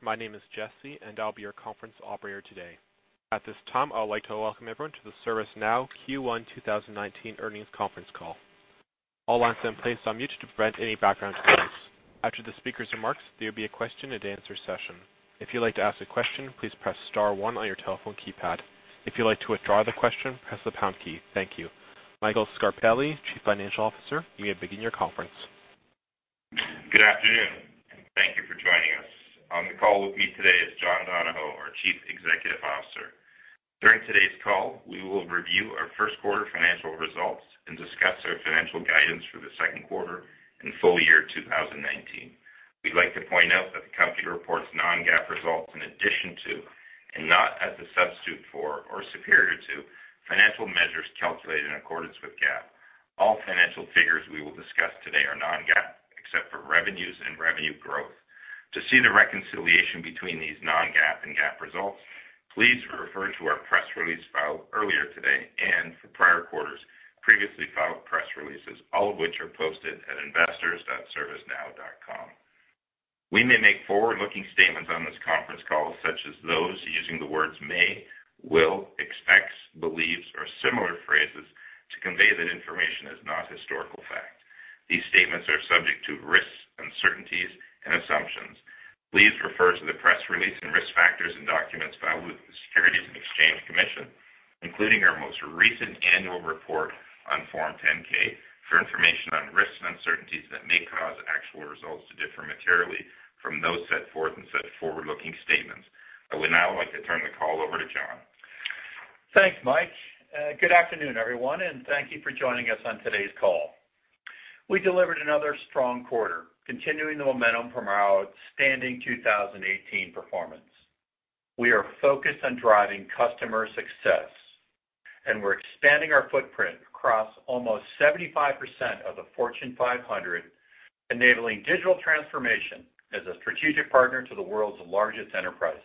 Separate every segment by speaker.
Speaker 1: My name is Jesse, I'll be your conference operator today. At this time, I would like to welcome everyone to the ServiceNow Q1 2019 earnings conference call. All lines have been placed on mute to prevent any background noise. After the speakers' remarks, there will be a question and answer session. If you'd like to ask a question, please press star one on your telephone keypad. If you'd like to withdraw the question, press the pound key. Thank you. Michael Scarpelli, Chief Financial Officer, you may begin your conference.
Speaker 2: Good afternoon. Thank you for joining us. On the call with me today is John Donahoe, our Chief Executive Officer. During today's call, we will review our first quarter financial results and discuss our financial guidance for the second quarter and full year 2019. We'd like to point out that the company reports non-GAAP results in addition to, and not as a substitute for or superior to, financial measures calculated in accordance with GAAP. All financial figures we will discuss today are non-GAAP, except for revenues and revenue growth. To see the reconciliation between these non-GAAP and GAAP results, please refer to our press release filed earlier today, and for prior quarters, previously filed press releases, all of which are posted at investors.servicenow.com. We may make forward-looking statements on this conference call, such as those using the words may, will, expects, believes, or similar phrases to convey that information is not historical fact. These statements are subject to risks, uncertainties, and assumptions. Please refer to the press release and risk factors in documents filed with the Securities and Exchange Commission, including our most recent annual report on Form 10-K, for information on risks and uncertainties that may cause actual results to differ materially from those set forth in such forward-looking statements. I would now like to turn the call over to John.
Speaker 3: Thanks, Mike. Good afternoon, everyone, thank you for joining us on today's call. We delivered another strong quarter, continuing the momentum from our outstanding 2018 performance. We are focused on driving customer success, we're expanding our footprint across almost 75% of the Fortune 500, enabling digital transformation as a strategic partner to the world's largest enterprises.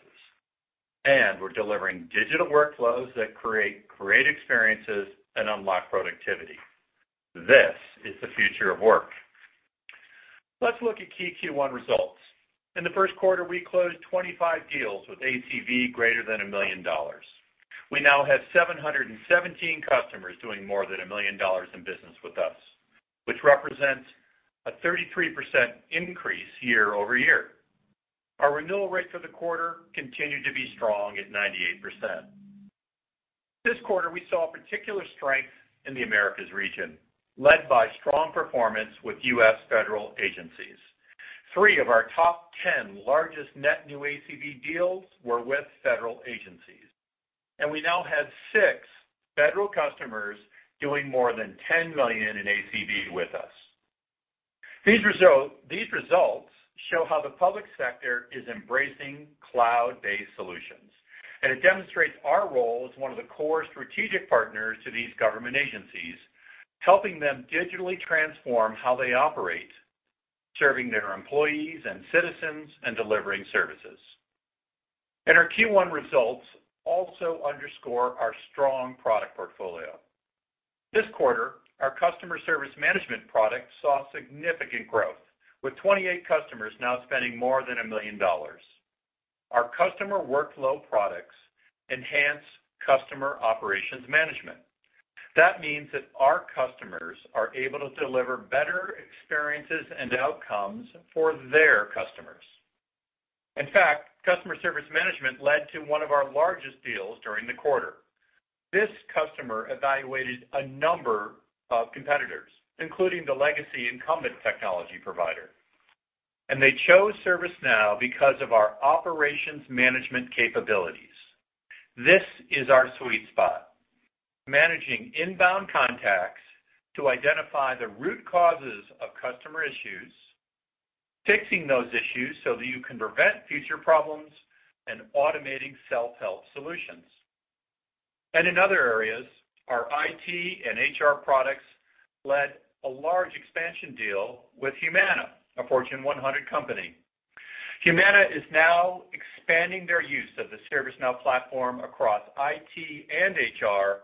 Speaker 3: We're delivering digital workflows that create great experiences and unlock productivity. This is the future of work. Let's look at key Q1 results. In the first quarter, we closed 25 deals with ACV greater than $1 million. We now have 717 customers doing more than $1 million in business with us, which represents a 33% increase year-over-year. Our renewal rate for the quarter continued to be strong at 98%. This quarter, we saw particular strength in the Americas region, led by strong performance with U.S. federal agencies. Three of our top 10 largest net new ACV deals were with federal agencies. We now have six federal customers doing more than $10 million in ACV with us. These results show how the public sector is embracing cloud-based solutions. It demonstrates our role as one of the core strategic partners to these government agencies, helping them digitally transform how they operate, serving their employees and citizens, and delivering services. Our Q1 results also underscore our strong product portfolio. This quarter, our Customer Service Management product saw significant growth, with 28 customers now spending more than $1 million. Our customer workflow products enhance customer operations management. That means that our customers are able to deliver better experiences and outcomes for their customers. In fact, Customer Service Management led to one of our largest deals during the quarter. This customer evaluated a number of competitors, including the legacy incumbent technology provider. They chose ServiceNow because of our operations management capabilities. This is our sweet spot, managing inbound contacts to identify the root causes of customer issues, fixing those issues so that you can prevent future problems, and automating self-help solutions. In other areas, our IT and HR products led a large expansion deal with Humana, a Fortune 100 company. Humana is now expanding their use of the ServiceNow Platform across IT and HR to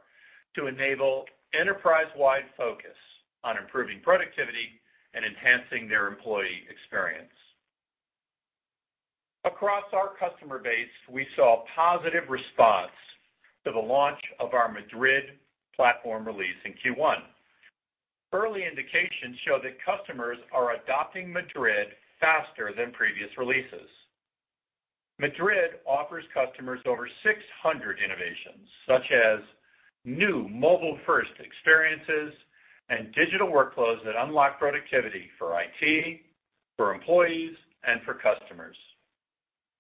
Speaker 3: enable enterprise-wide focus on improving productivity and enhancing their employee experience. Across our customer base, we saw a positive response to the launch of our Madrid platform release in Q1. Early indications show that customers are adopting Madrid faster than previous releases. Madrid offers customers over 600 innovations, such as new mobile-first experiences and digital workflows that unlock productivity for IT, for employees, and for customers.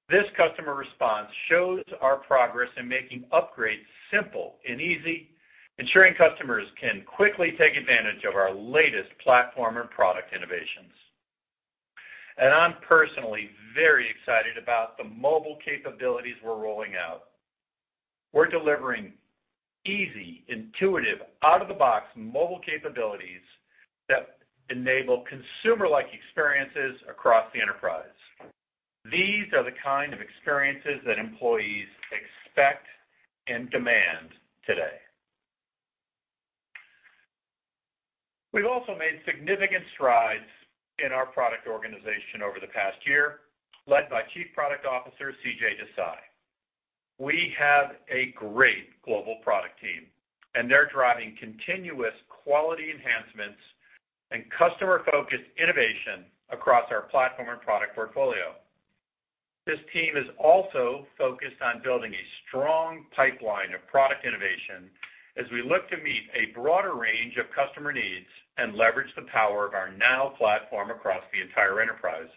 Speaker 3: This customer response shows our progress in making upgrades simple and easy, ensuring customers can quickly take advantage of our latest platform and product innovations. I'm personally very excited about the mobile capabilities we're rolling out. We're delivering easy, intuitive, out-of-the-box mobile capabilities that enable consumer-like experiences across the enterprise. These are the kind of experiences that employees expect and demand today. We've also made significant strides in our product organization over the past year, led by Chief Product Officer, CJ Desai. We have a great global product team. They're driving continuous quality enhancements and customer-focused innovation across our platform and product portfolio. This team is also focused on building a strong pipeline of product innovation as we look to meet a broader range of customer needs and leverage the power of our Now Platform across the entire enterprise.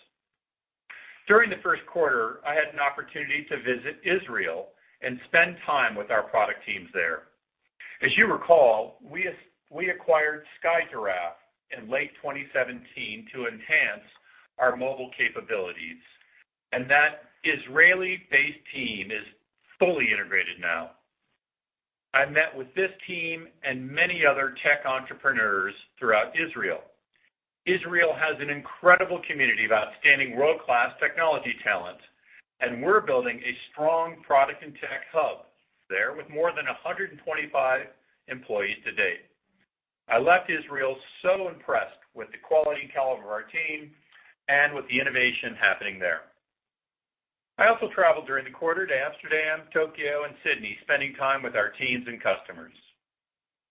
Speaker 3: During the first quarter, I had an opportunity to visit Israel and spend time with our product teams there. As you recall, we acquired SkyGiraffe in late 2017 to enhance our mobile capabilities. That Israeli-based team is fully integrated now. I met with this team and many other tech entrepreneurs throughout Israel. Israel has an incredible community of outstanding world-class technology talent. We're building a strong product and tech hub there with more than 125 employees to date. I left Israel so impressed with the quality and caliber of our team and with the innovation happening there. I also traveled during the quarter to Amsterdam, Tokyo, and Sydney, spending time with our teams and customers.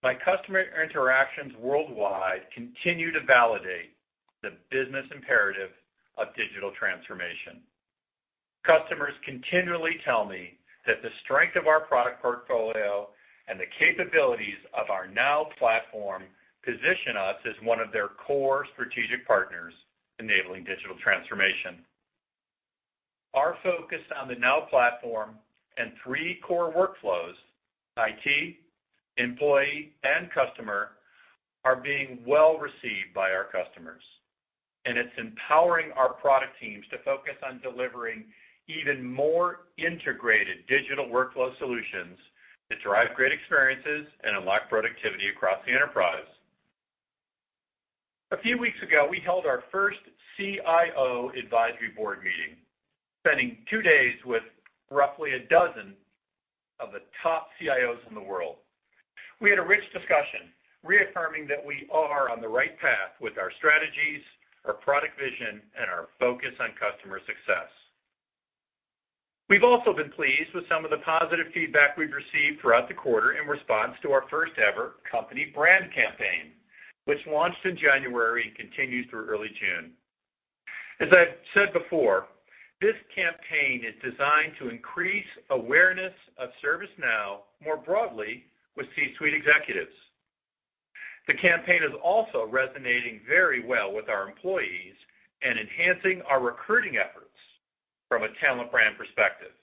Speaker 3: My customer interactions worldwide continue to validate the business imperative of digital transformation. Customers continually tell me that the strength of our product portfolio and the capabilities of our Now Platform position us as one of their core strategic partners enabling digital transformation. Our focus on the Now Platform and three core workflows, IT, employee, and customer, are being well-received by our customers, and it's empowering our product teams to focus on delivering even more integrated digital workflow solutions that drive great experiences and unlock productivity across the enterprise. A few weeks ago, we held our first CIO advisory board meeting, spending two days with roughly a dozen of the top CIOs in the world. We had a rich discussion reaffirming that we are on the right path with our strategies, our product vision, and our focus on customer success. We've also been pleased with some of the positive feedback we've received throughout the quarter in response to our first-ever company brand campaign, which launched in January and continues through early June. As I've said before, this campaign is designed to increase awareness of ServiceNow more broadly with C-suite executives. The campaign is also resonating very well with our employees and enhancing our recruiting efforts from a talent brand perspective.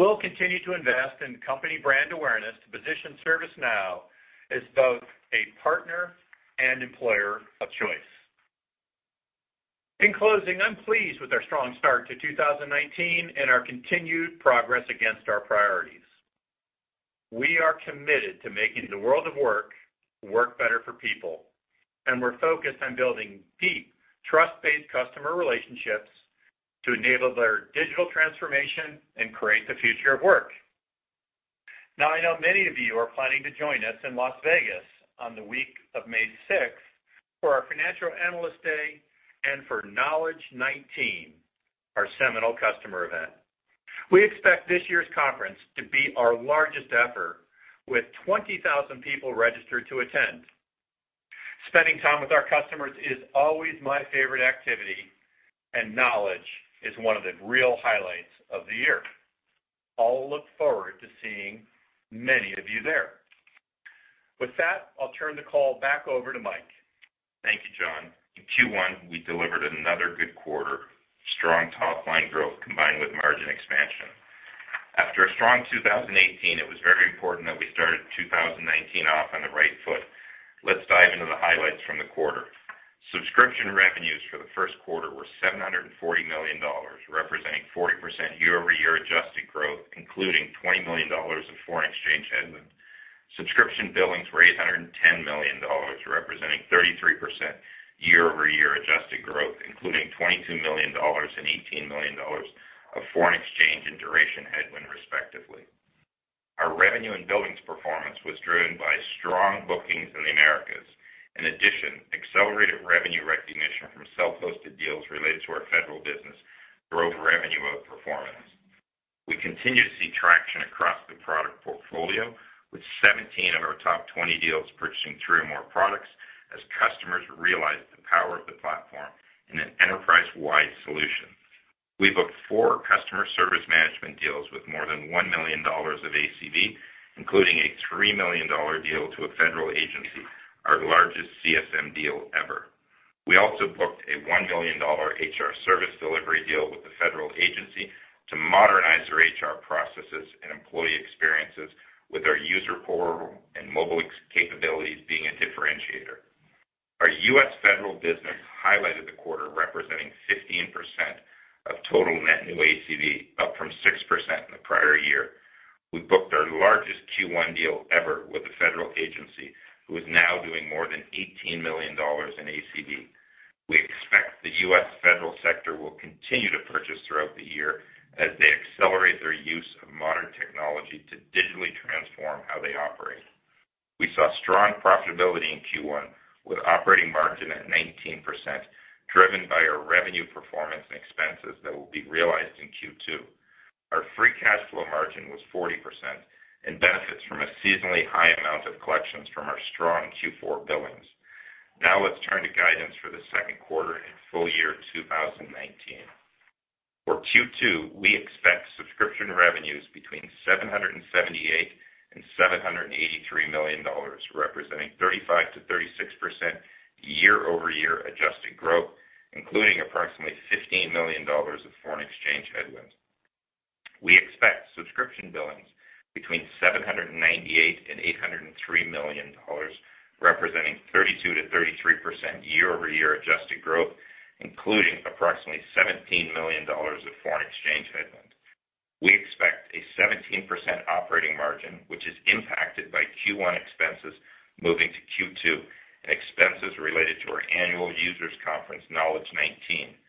Speaker 3: We'll continue to invest in company brand awareness to position ServiceNow as both a partner and employer of choice. In closing, I'm pleased with our strong start to 2019 and our continued progress against our priorities. We are committed to making the world of work better for people, and we're focused on building deep trust-based customer relationships to enable their digital transformation and create the future of work. I know many of you are planning to join us in Las Vegas on the week of May 6th for our Financial Analyst Day and for Knowledge19, our seminal customer event. We expect this year's conference to be our largest effort with 20,000 people registered to attend. Spending time with our customers is always my favorite activity, and Knowledge is one of the real highlights of the year. I'll look forward to seeing many of you there. With that, I'll turn the call back over to Mike.
Speaker 2: Thank you, John. In Q1, we delivered another good quarter. Strong top-line growth combined with margin expansion. After a strong 2018, it was very important that we started 2019 off on the right foot. Let's dive into the highlights from the quarter. Subscription revenues for the first quarter were $740 million, representing 40% year-over-year adjusted growth, including $20 million in foreign exchange headwind. Subscription billings were $810 million, representing 33% year-over-year adjusted growth, including $22 million and $18 million of foreign exchange and duration headwind, respectively. Our revenue and billings performance was driven by strong bookings in the Americas. In addition, accelerated revenue recognition from self-hosted deals related to our federal business drove revenue of performance. We continue to see traction across the product portfolio with 17 of our top 20 deals purchasing three or more products as customers realize the power of the platform in an enterprise-wide solution. We booked four Customer Service Management deals with more than $1 million of ACV, including a $3 million deal to a federal agency, our largest CSM deal ever. We also booked a $1 million HR Service Delivery deal with the federal agency to modernize their HR processes and employee experiences with our user portal and mobile capabilities being a differentiator. Our U.S. federal business highlighted the quarter representing 15% of total net new ACV, up from 6% in the prior year. We booked our largest Q1 deal ever with a federal agency who is now doing more than $18 million in ACV. We expect the U.S. federal sector will continue to purchase throughout the year as they digitally transform how they operate. We saw strong profitability in Q1 with operating margin at 19%, driven by our revenue performance and expenses that will be realized in Q2. Our free cash flow margin was 40% and benefits from a seasonally high amount of collections from our strong Q4 billings. Let's turn to guidance for the second quarter and full year 2019. For Q2, we expect subscription revenues between $778 and $783 million, representing 35%-36% year-over-year adjusted growth, including approximately $15 million of foreign exchange headwinds. We expect subscription billings between $798 and $803 million, representing 32%-33% year-over-year adjusted growth, including approximately $17 million of foreign exchange headwind. We expect a 17% operating margin, which is impacted by Q1 expenses moving to Q2 and expenses related to our annual users conference, Knowledge19.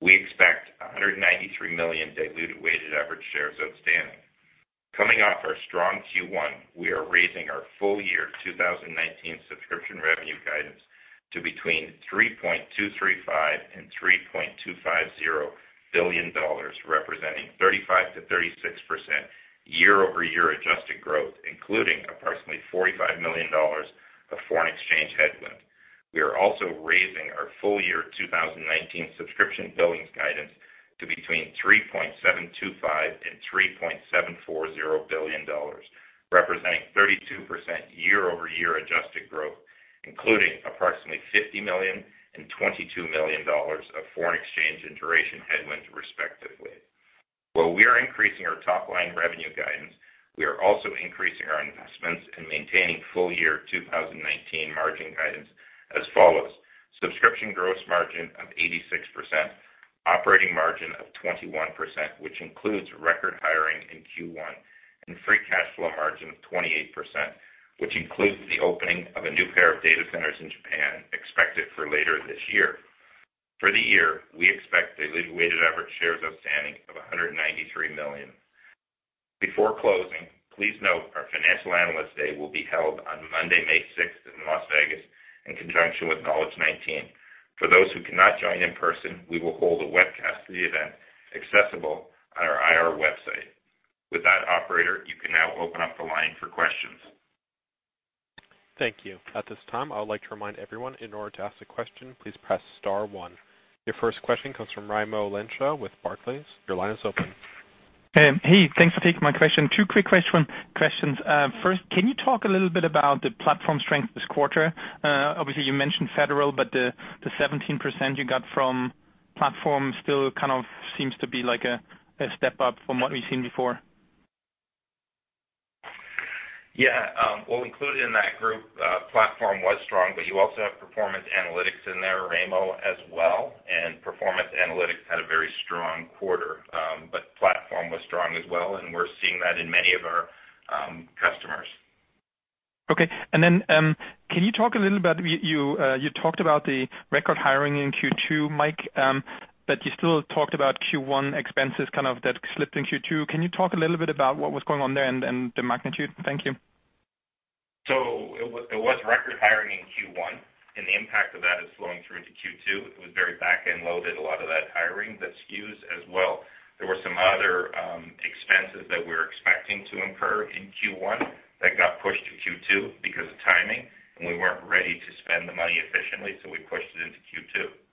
Speaker 2: We expect 193 million diluted weighted average shares outstanding. Coming off our strong Q1, we are raising our full year 2019 subscription revenue guidance to between $3.235 and $3.250 billion, representing 35%-36% year-over-year adjusted growth, including approximately $45 million of foreign exchange headwind. We are also raising our full year 2019 subscription billings guidance to between $3.725 and $3.740 billion, representing 32% year-over-year adjusted growth, including approximately $50 million and $22 million of foreign exchange and duration headwinds respectively. While we are increasing our top-line revenue guidance, we are also increasing our investments and maintaining full year 2019 margin guidance as follows. Subscription gross margin of 86%, operating margin of 21%, which includes record hiring in Q1, and free cash flow margin of 28%, which includes the opening of a new pair of data centers in Japan expected for later this year. For the year, we expect diluted weighted average shares outstanding of 193 million. Before closing, please note our financial analyst day will be held on Monday, May 6th in Las Vegas in conjunction with Knowledge19. For those who cannot join in person, we will hold a webcast of the event accessible on our IR website. With that, operator, you can now open up the line for questions.
Speaker 1: Thank you. At this time, I would like to remind everyone, in order to ask a question, please press star one. Your first question comes from Raimo Lenschow with Barclays. Your line is open.
Speaker 4: Hey, thanks for taking my question. Two quick questions. First, can you talk a little bit about the platform strength this quarter? Obviously, you mentioned federal, but the 17% you got from platform still kind of seems to be like a step up from what we've seen before.
Speaker 2: Yeah. Well, included in that group, platform was strong, but you also have Performance Analytics in there, Raimo, as well, and Performance Analytics had a very strong quarter. Platform was strong as well, and we're seeing that in many of our customers.
Speaker 4: Okay. Then, can you talk a little about, you talked about the record hiring in Q2, Mike, but you still talked about Q1 expenses kind of that slipped in Q2. Can you talk a little bit about what was going on there and the magnitude? Thank you.
Speaker 2: It was record hiring in Q1, and the impact of that is flowing through to Q2. It was very back-end loaded, a lot of that hiring that skews as well. There were some other expenses that we were expecting to incur in Q1 that got pushed to Q2 because of timing, and we weren't ready to spend the money efficiently, so we pushed it into Q2.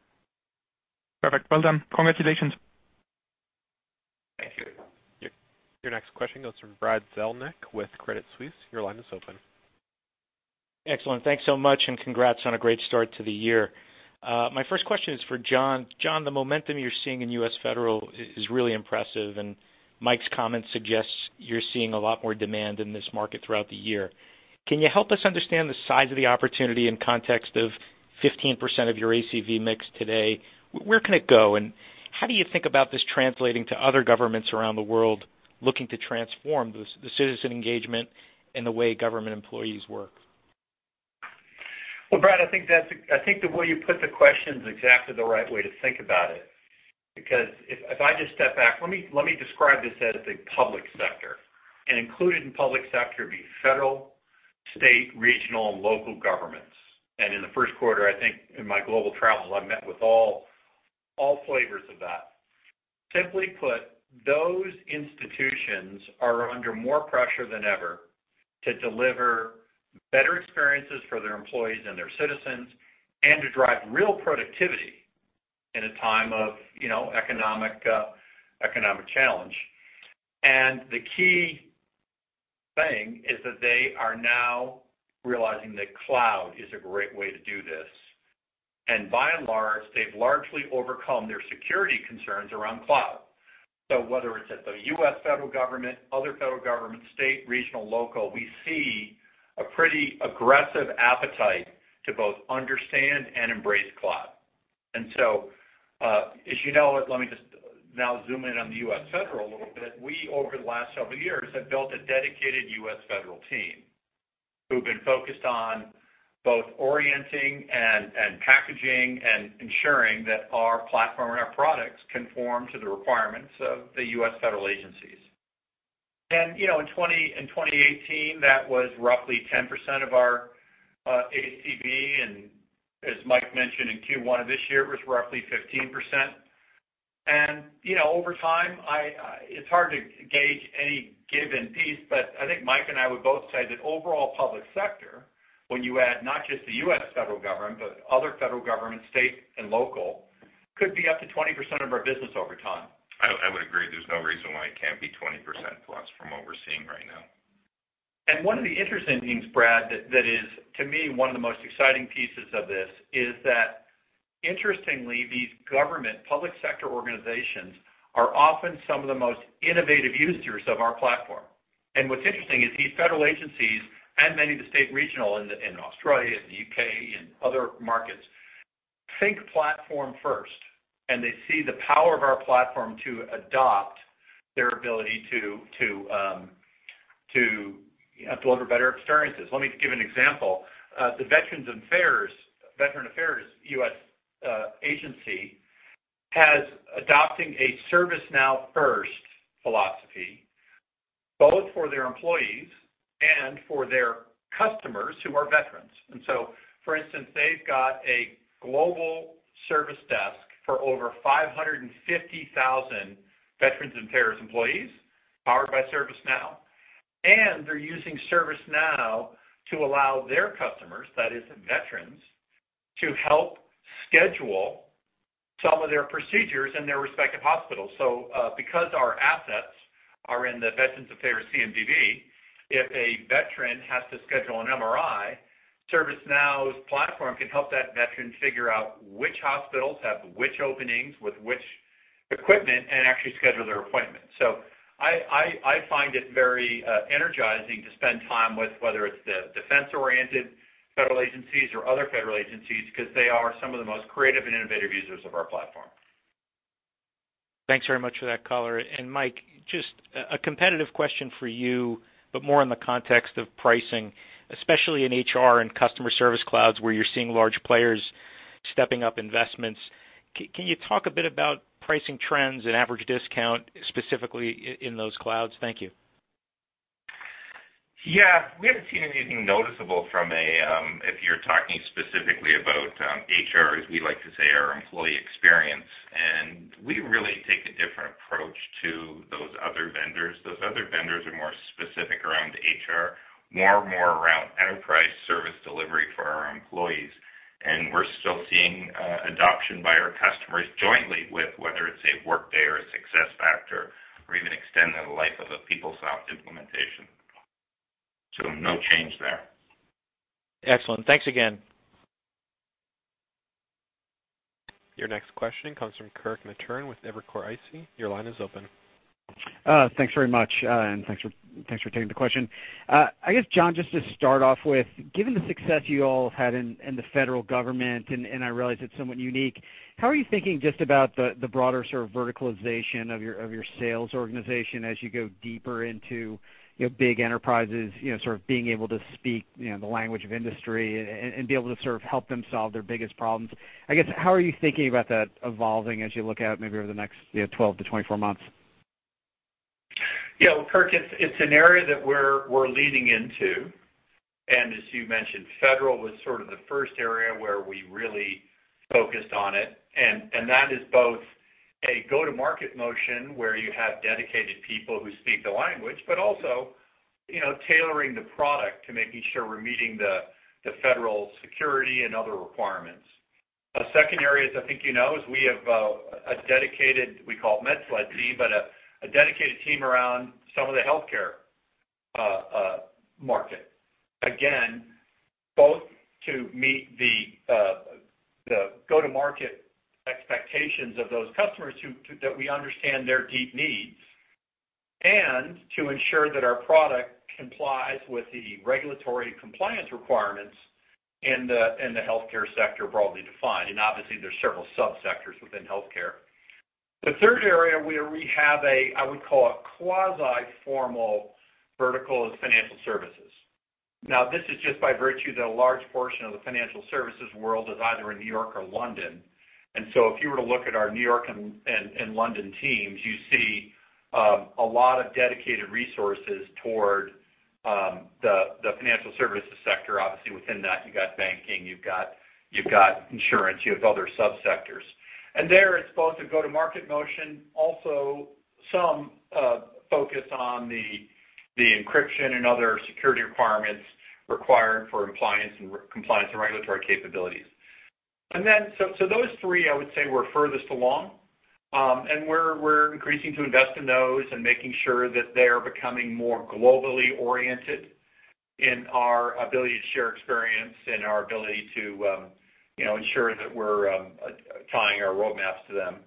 Speaker 4: Perfect. Well done. Congratulations.
Speaker 2: Thank you.
Speaker 1: Your next question goes to Brad Zelnick with Credit Suisse. Your line is open.
Speaker 5: Excellent. Thanks so much, and congrats on a great start to the year. My first question is for John. John, the momentum you're seeing in U.S. federal is really impressive, and Mike's comment suggests you're seeing a lot more demand in this market throughout the year. Can you help us understand the size of the opportunity in context of 15% of your ACV mix today? Where can it go, and how do you think about this translating to other governments around the world looking to transform the citizen engagement and the way government employees work?
Speaker 2: Well, Brad Zelnick, I think the way you put the question is exactly the right way to think about it. If I just step back, let me describe this as the public sector, and included in public sector would be federal, state, regional, and local governments. In the first quarter, I think in my global travel, I met with all flavors of that. Simply put, those institutions are under more pressure than ever to deliver better experiences for their employees and their citizens and to drive real productivity in a time of economic challenge. The key thing is that they are now realizing that cloud is a great way to do this. By and large, they've largely overcome their security concerns around cloud. Whether it's at the U.S. federal government, other federal government, state, regional, local, we see a pretty aggressive appetite to both understand and embrace cloud. As you know, let me just now zoom in on the U.S. federal a little bit. We, over the last several years, have built a dedicated U.S. federal team
Speaker 3: Who've been focused on both orienting and packaging and ensuring that our platform and our products conform to the requirements of the U.S. federal agencies. In 2018, that was roughly 10% of our ACV, and as Mike mentioned, in Q1 of this year, it was roughly 15%. Over time, it's hard to gauge any given piece, but I think Mike and I would both say that overall public sector, when you add not just the U.S. federal government, but other federal government, state and local, could be up to 20% of our business over time.
Speaker 2: I would agree. There's no reason why it can't be 20% plus from what we're seeing right now.
Speaker 3: One of the interesting things, Brad, that is, to me, one of the most exciting pieces of this is that, interestingly, these government public sector organizations are often some of the most innovative users of our platform. What's interesting is these federal agencies and many of the state regional in Australia, and the U.K., and other markets, think platform first, and they see the power of our platform to adopt their ability to deliver better experiences. Let me give an example. The Veterans Affairs U.S. agency has adopting a ServiceNow first philosophy, both for their employees and for their customers who are veterans. For instance, they've got a global service desk for over 550,000 Veterans Affairs employees, powered by ServiceNow. They're using ServiceNow to allow their customers, that is, the veterans, to help schedule some of their procedures in their respective hospitals. Because our assets are in the Veterans Affairs CMDB, if a veteran has to schedule an MRI, ServiceNow's platform can help that veteran figure out which hospitals have which openings with which equipment, and actually schedule their appointment. I find it very energizing to spend time with, whether it's the defense-oriented federal agencies or other federal agencies, because they are some of the most creative and innovative users of our platform.
Speaker 5: Thanks very much for that, John. Mike, just a competitive question for you, but more in the context of pricing, especially in HR and customer service clouds, where you're seeing large players stepping up investments. Can you talk a bit about pricing trends and average discount specifically in those clouds? Thank you.
Speaker 2: Yeah. We haven't seen anything noticeable from a, if you're talking specifically about HR, as we like to say, our employee experience, and we really take a different approach to those other vendors. Those other vendors are more specific around HR, we're more around enterprise service delivery for our employees. We're still seeing adoption by our customers jointly with whether it's a Workday or a SuccessFactors, or even extending the life of a PeopleSoft implementation. No change there.
Speaker 5: Excellent. Thanks again.
Speaker 1: Your next question comes from Kirk Materne with Evercore ISI. Your line is open.
Speaker 6: Thanks very much, and thanks for taking the question. I guess, John, just to start off with, given the success you all have had in the federal government, and I realize it's somewhat unique, how are you thinking just about the broader sort of verticalization of your sales organization as you go deeper into big enterprises, sort of being able to speak the language of industry, and be able to sort of help them solve their biggest problems? I guess, how are you thinking about that evolving as you look out maybe over the next 12-24 months?
Speaker 3: Well, Kirk, it's an area that we're leading into, as you mentioned, Federal was sort of the first area where we really focused on it. That is both a go-to-market motion, where you have dedicated people who speak the language, but also tailoring the product to making sure we're meeting the Federal security and other requirements. A second area, as I think you know, is we have a dedicated, we call it Med Sled team, but a dedicated team around some of the healthcare market. Again, both to meet the go-to-market expectations of those customers that we understand their deep needs, and to ensure that our product complies with the regulatory compliance requirements in the healthcare sector, broadly defined. Obviously there's several sub-sectors within healthcare. The third area where we have a, I would call a quasi-formal vertical, is financial services. This is just by virtue that a large portion of the financial services world is either in New York or London. If you were to look at our New York and London teams, you see a lot of dedicated resources toward the financial services sector. Obviously within that, you've got banking, you've got insurance, you have other sub-sectors. There it's both a go-to-market motion, also some focus on the encryption and other security requirements required for compliance and regulatory capabilities. Those three, I would say, we're furthest along. We're increasing to invest in those and making sure that they are becoming more globally oriented in our ability to share experience and our ability to ensure that we're tying our roadmaps to them.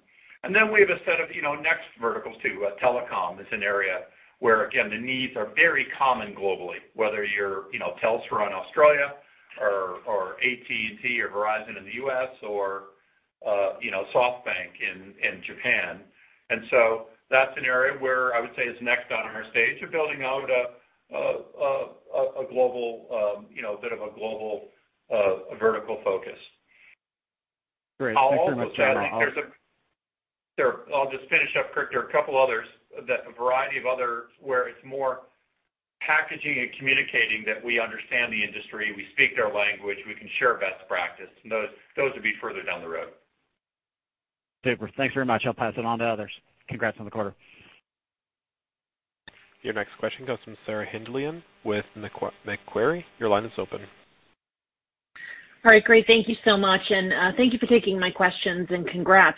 Speaker 3: We have a set of next verticals, too. Telecom is an area where, again, the needs are very common globally, whether you're Telstra in Australia or AT&T or Verizon in the U.S. or SoftBank in Japan. That's an area where I would say is next on our stage of building out a bit of a global vertical focus.
Speaker 6: Great. Thanks very much, gentlemen. I'll.
Speaker 3: I'll just finish up, Kirk. There are a couple others, where it's more packaging and communicating that we understand the industry, we speak their language, we can share best practice. Those would be further down the road.
Speaker 6: Super. Thanks very much. I'll pass it on to others. Congrats on the quarter.
Speaker 1: Your next question comes from Sarah Hindlian with Macquarie. Your line is open.
Speaker 7: Great. Thank you so much. Thank you for taking my questions, and congrats.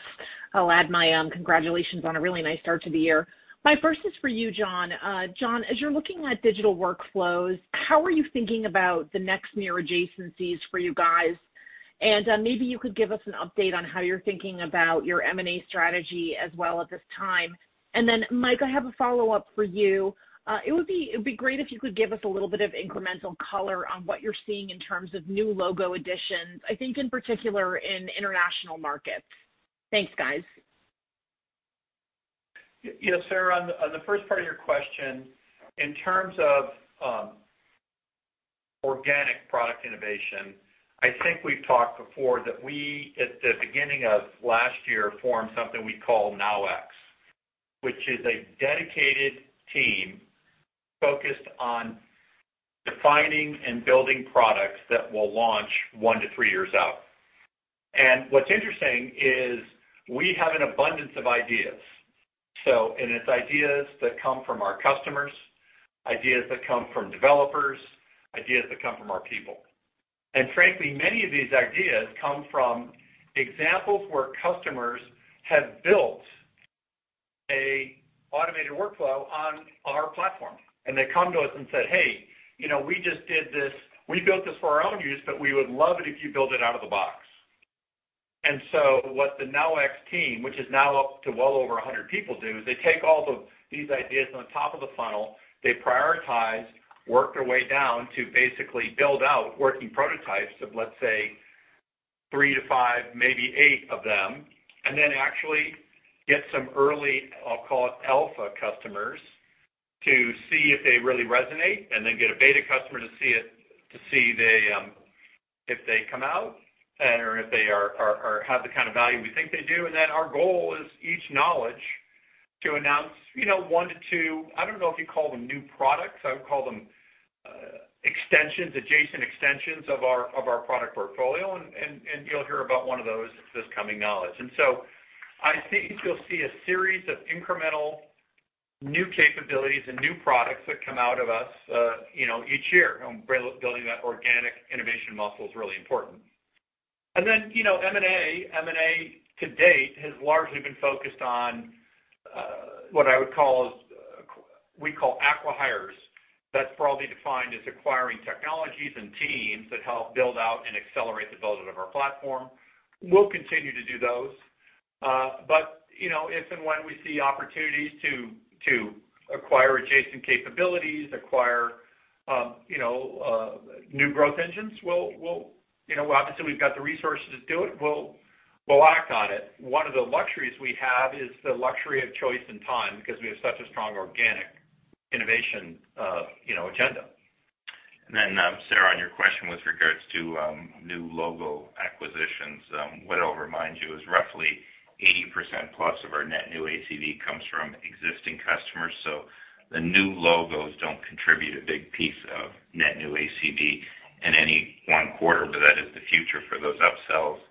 Speaker 7: I'll add my congratulations on a really nice start to the year. My first is for you, John. John, as you're looking at digital workflows, how are you thinking about the next near adjacencies for you guys? Maybe you could give us an update on how you're thinking about your M&A strategy as well at this time. Then Mike, I have a follow-up for you. It would be great if you could give us a little bit of incremental color on what you're seeing in terms of new logo additions, I think in particular in international markets. Thanks, guys.
Speaker 3: Yeah, Sarah, on the first part of your question, in terms of organic product innovation, I think we've talked before that we, at the beginning of last year, formed something we call NowX, which is a dedicated team focused on defining and building products that will launch one to three years out. What's interesting is we have an abundance of ideas. It's ideas that come from our customers, ideas that come from developers, ideas that come from our people. Frankly, many of these ideas come from examples where customers have built a automated workflow on our platform, and they come to us and said, "Hey, we built this for our own use, but we would love it if you build it out of the box." What the NowX team, which is now up to well over 100 people do, is they take all these ideas on top of the funnel, they prioritize, work their way down to basically build out working prototypes of, let's say, three to five, maybe eight of them. Then actually get some early, I'll call it alpha customers, to see if they really resonate, and then get a beta customer to see if they come out or if they have the kind of value we think they do. Our goal is each Knowledge to announce one to two, I don't know if you'd call them new products. I would call them adjacent extensions of our product portfolio. You'll hear about one of those this coming Knowledge. I think you'll see a series of incremental new capabilities and new products that come out of us each year. Building that organic innovation muscle is really important. M&A to date has largely been focused on what we call acqui-hires. That's broadly defined as acquiring technologies and teams that help build out and accelerate the build of our platform. We'll continue to do those. If and when we see opportunities to acquire adjacent capabilities, acquire new growth engines, obviously we've got the resources to do it, we'll act on it. One of the luxuries we have is the luxury of choice and time because we have such a strong organic innovation agenda.
Speaker 2: Sarah, on your question with regards to new logo acquisitions, what I'll remind you is roughly 80%+ of our net new ACV comes from existing customers. The new logos don't contribute a big piece of net new ACV in any one quarter, but that is the future for those upsells.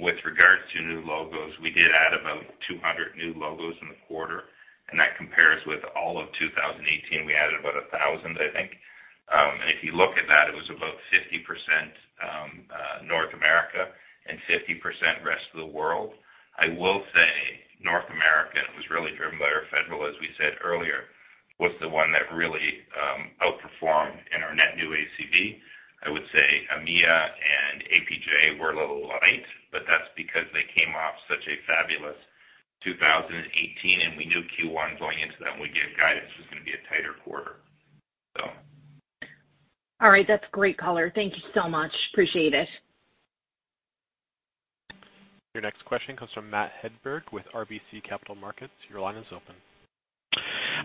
Speaker 2: With regards to new logos, we did add about 200 new logos in the quarter, and that compares with all of 2018, we added about 1,000, I think. If you look at that, it was about 50% North America and 50% rest of the world. I will say North America was really driven by our federal, as we said earlier, was the one that really outperformed in our net new ACV. I would say EMEA and APJ were a little light, but that's because they came off such a fabulous 2018, and we knew Q1 going into that when we gave guidance, it was going to be a tighter quarter.
Speaker 7: That's great color. Thank you so much. Appreciate it.
Speaker 1: Your next question comes from Matthew Hedberg with RBC Capital Markets. Your line is open.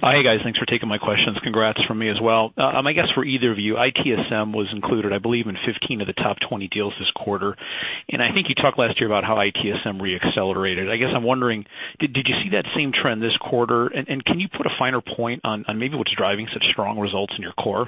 Speaker 8: Hi, guys. Thanks for taking my questions. Congrats from me as well. I guess for either of you, ITSM was included, I believe, in 15 of the top 20 deals this quarter. I think you talked last year about how ITSM re-accelerated. I guess I'm wondering, did you see that same trend this quarter? Can you put a finer point on maybe what's driving such strong results in your core?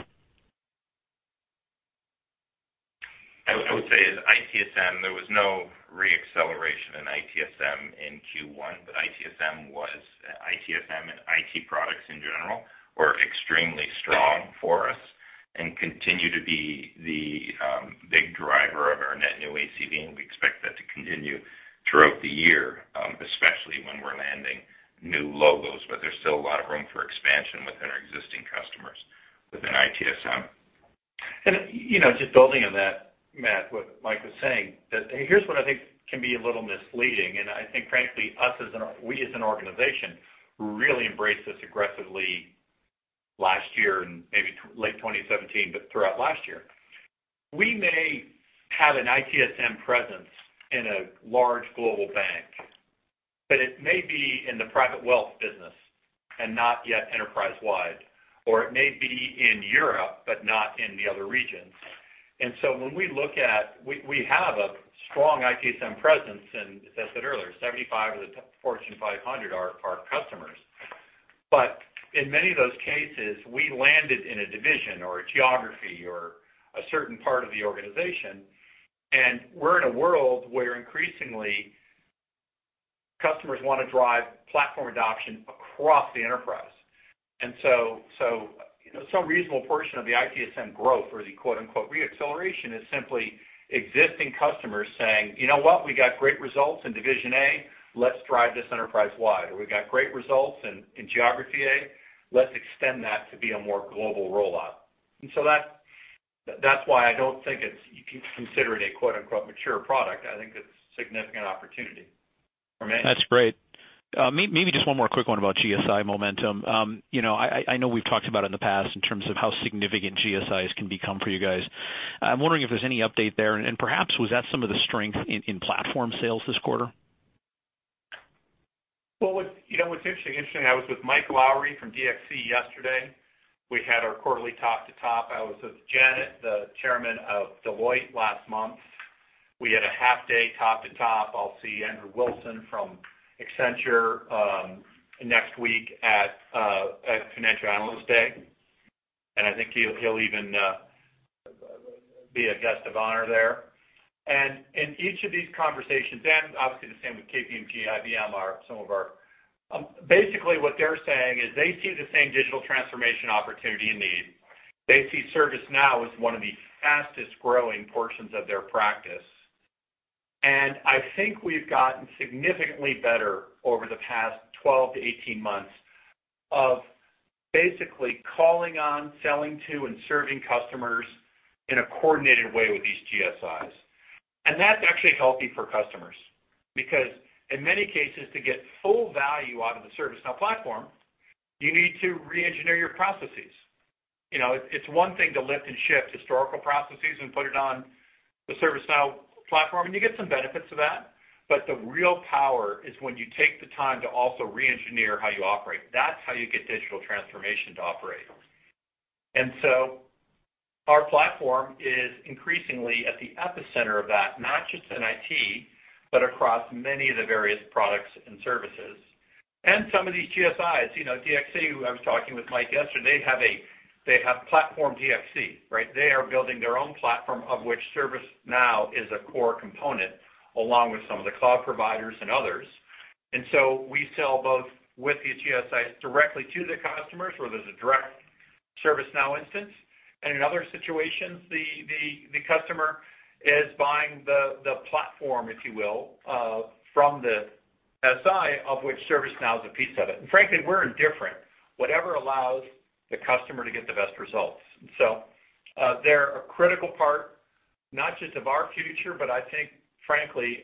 Speaker 2: I would say is ITSM, there was no re-acceleration in ITSM in Q1, ITSM and IT products in general, were extremely strong for us and continue to be the big driver of our net new ACV. We expect that to continue throughout the year, especially when we're landing new logos. There's still a lot of room for expansion within our existing customers within ITSM.
Speaker 3: Just building on that, Matt, what Mike was saying, that here's what I think can be a little misleading. I think frankly, we as an organization really embrace this aggressively. Last year and maybe late 2017, but throughout last year. We may have an ITSM presence in a large global bank, but it may be in the private wealth business and not yet enterprise-wide, or it may be in Europe, but not in the other regions. When we look at, we have a strong ITSM presence and as I said earlier, 75 of the Fortune 500 are our customers. In many of those cases, we landed in a division or a geography or a certain part of the organization, and we're in a world where increasingly customers want to drive platform adoption across the enterprise. Some reasonable portion of the ITSM growth or the "re-acceleration" is simply existing customers saying, "You know what? We got great results in division A, let's drive this enterprise-wide." "We got great results in geography A, let's extend that to be a more global rollout." That's why I don't think you can consider it a "mature product." I think it's a significant opportunity for many.
Speaker 8: That's great. Maybe just one more quick one about GSI momentum. I know we've talked about in the past in terms of how significant GSIs can become for you guys. I'm wondering if there's any update there, and perhaps was that some of the strength in platform sales this quarter?
Speaker 3: What's interesting, I was with Mike Lawrie from DXC yesterday. We had our quarterly top to top. I was with Janet, the Chairman of Deloitte, last month. We had a half-day top to top. I'll see Andrew Wilson from Accenture next week at Financial Analyst Day, and I think he'll even be a guest of honor there. In each of these conversations, and obviously the same with KPMG, IBM, basically what they're saying is they see the same digital transformation opportunity and need. They see ServiceNow as one of the fastest-growing portions of their practice. I think we've gotten significantly better over the past 12 to 18 months of basically calling on, selling to, and serving customers in a coordinated way with these GSIs. That's actually healthy for customers, because in many cases, to get full value out of the ServiceNow platform, you need to re-engineer your processes. It's one thing to lift and shift historical processes and put it on the ServiceNow platform, and you get some benefits of that. The real power is when you take the time to also re-engineer how you operate. That's how you get digital transformation to operate. Our platform is increasingly at the epicenter of that, not just in IT, but across many of the various products and services. Some of these GSIs, DXC, who I was talking with Mike yesterday, they have Platform DXC, right? They are building their own platform, of which ServiceNow is a core component, along with some of the cloud providers and others. We sell both with these GSIs directly to the customers where there's a direct ServiceNow instance. In other situations, the customer is buying the platform, if you will, from the SI, of which ServiceNow is a piece of it. Frankly, we're indifferent. Whatever allows the customer to get the best results. They're a critical part, not just of our future, but I think, frankly,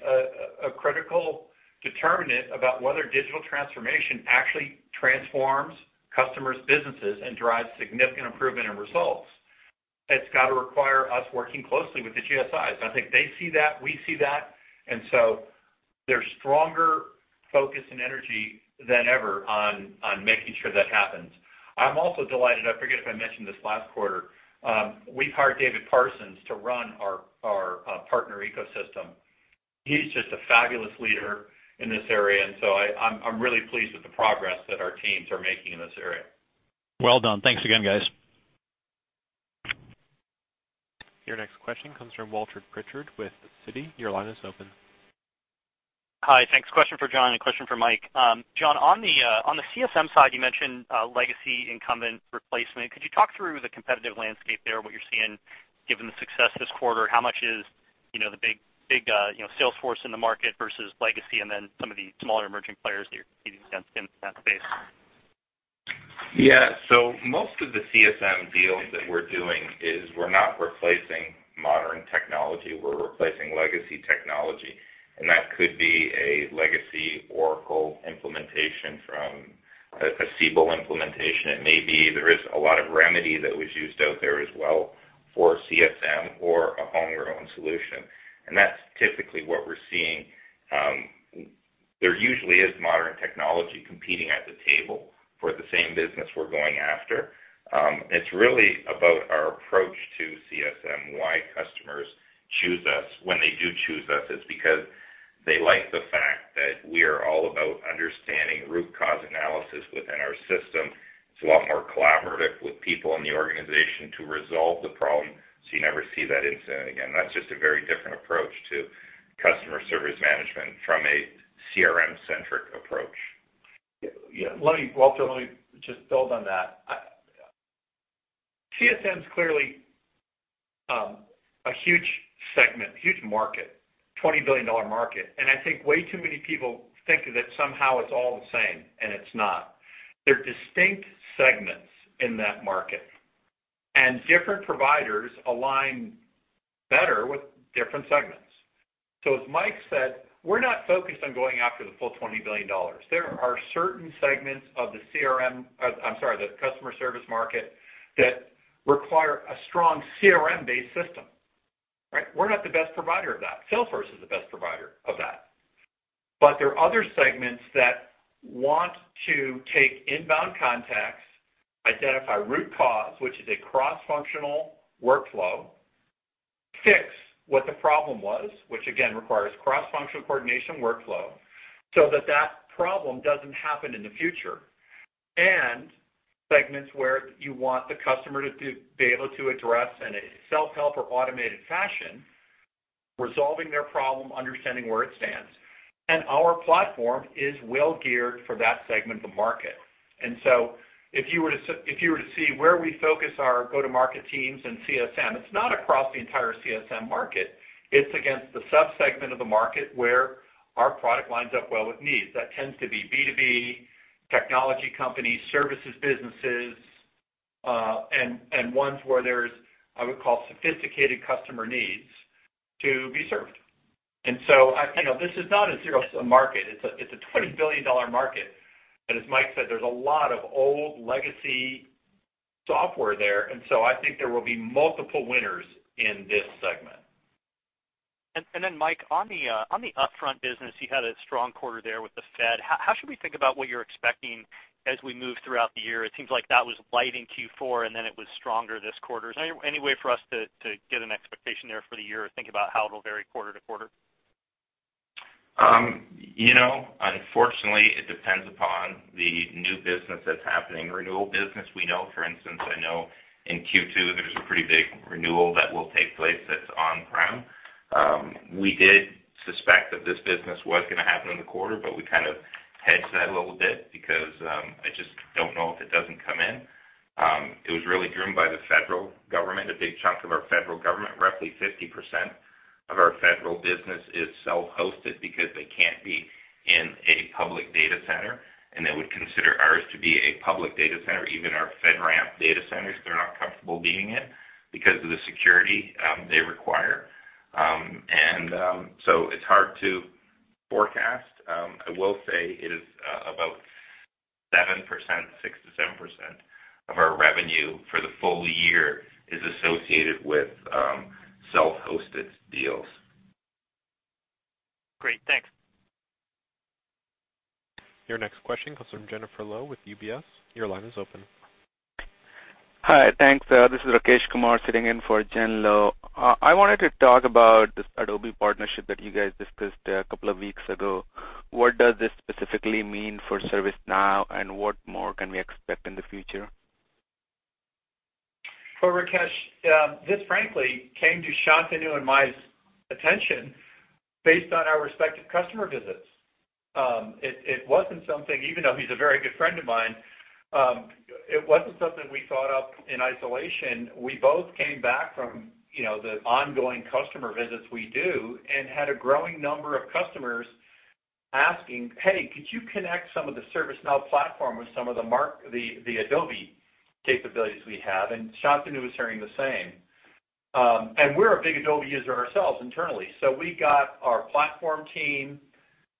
Speaker 3: a critical determinant about whether digital transformation actually transforms customers' businesses and drives significant improvement in results. It's got to require us working closely with the GSIs. I think they see that, we see that, so there's stronger focus and energy than ever on making sure that happens. I'm also delighted, I forget if I mentioned this last quarter, we've hired David Parsons to run our partner ecosystem. He's just a fabulous leader in this area, and so I'm really pleased with the progress that our teams are making in this area.
Speaker 8: Well done. Thanks again, guys.
Speaker 1: Your next question comes from Walter Pritchard with Citi. Your line is open.
Speaker 9: Hi, thanks. Question for John and question for Mike. John, on the CSM side, you mentioned legacy incumbent replacement. Could you talk through the competitive landscape there, what you're seeing given the success this quarter? How much is the big Salesforce in the market versus legacy and then some of the smaller emerging players that you're competing against in that space?
Speaker 2: Yeah. Most of the CSM deals that we're doing is we're not replacing modern technology, we're replacing legacy technology. That could be a legacy Oracle implementation from a Siebel implementation. It may be there is a lot of Remedy that was used out there as well for CSM or a home-grown solution. That's typically what we're seeing. There usually is modern technology competing at the table for the same business we're going after. It's really about our approach to CSM, why customers choose us. When they do choose us, it's because they like the fact that we are all about understanding root cause analysis within our system. It's a lot more collaborative with people in the organization to resolve the problem, so you never see that incident again. That's just a very different approach to Customer Service Management from a CRM-centric approach.
Speaker 3: Yeah. Walter, let me just build on that. CSM is clearly a huge segment, huge market, $20 billion market. I think way too many people think that somehow it's all the same, and it's not. They're distinct segments in that market. Different providers align better with different segments. As Mike said, we're not focused on going after the full $20 billion. There are certain segments of the customer service market that require a strong CRM-based system. We're not the best provider of that. Salesforce is the best provider of that. There are other segments that want to take inbound contacts, identify root cause, which is a cross-functional workflow, fix what the problem was, which again requires cross-functional coordination workflow, so that that problem doesn't happen in the future, and segments where you want the customer to be able to address in a self-help or automated fashion, resolving their problem, understanding where it stands. Our platform is well-geared for that segment of the market. If you were to see where we focus our go-to-market teams and CSM, it's not across the entire CSM market. It's against the sub-segment of the market where our product lines up well with needs. That tends to be B2B, technology companies, services businesses, and ones where there's, I would call, sophisticated customer needs to be served. This is not a zero sum market. It's a $20 billion market. As Mike said, there's a lot of old legacy software there. I think there will be multiple winners in this segment.
Speaker 9: Mike, on the upfront business, you had a strong quarter there with the Fed. How should we think about what you're expecting as we move throughout the year? It seems like that was light in Q4, and it was stronger this quarter. Is there any way for us to get an expectation there for the year or think about how it'll vary quarter-to-quarter?
Speaker 2: Unfortunately, it depends upon the new business that's happening. Renewal business, we know, for instance, I know in Q2, there's a pretty big renewal that will take place that's on-prem. We did suspect that this business was going to happen in the quarter, we kind of hedged that a little bit because I just don't know if it doesn't come in. It was really driven by the Federal government, a big chunk of our Federal government, roughly 50% of our Federal business is self-hosted because they can't be in a public data center, and they would consider ours to be a public data center, even our FedRAMP data centers, they're not comfortable being in because of the security they require. It's hard to forecast. I will say it is about 6%-7% of our revenue for the full year is associated with self-hosted deals.
Speaker 9: Great. Thanks.
Speaker 1: Your next question comes from Jennifer Lowe with UBS. Your line is open.
Speaker 10: Hi, thanks. This is Rakesh Kumar sitting in for Jen Lowe. I wanted to talk about this Adobe partnership that you guys discussed a couple of weeks ago. What does this specifically mean for ServiceNow, and what more can we expect in the future?
Speaker 3: Well, Rakesh, this frankly, came to Shantanu and my attention based on our respective customer visits. It wasn't something, even though he's a very good friend of mine, it wasn't something we thought of in isolation. We both came back from the ongoing customer visits we do and had a growing number of customers asking, "Hey, could you connect some of the ServiceNow platform with some of the Adobe capabilities we have?" Shantanu was hearing the same. We're a big Adobe user ourselves internally. We got our platform team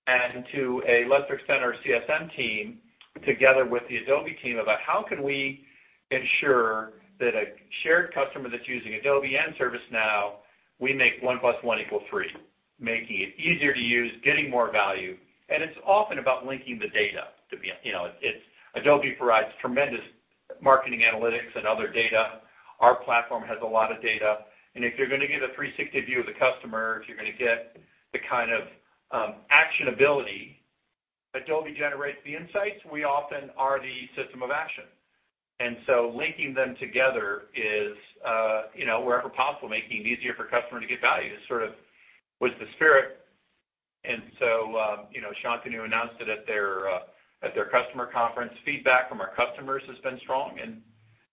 Speaker 3: and to a lesser extent, our CSM team, together with the Adobe team about how can we ensure that a shared customer that's using Adobe and ServiceNow, we make one plus one equal three, making it easier to use, getting more value. It's often about linking the data. Adobe provides tremendous marketing analytics and other data. Our platform has a lot of data, if you're going to get a 360 view of the customer, if you're going to get the kind of actionability, Adobe generates the insights, we often are the system of action. Linking them together is wherever possible, making it easier for customer to get value is sort of was the spirit. Shantanu announced it at their customer conference. Feedback from our customers has been strong,